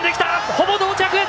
ほぼ同着！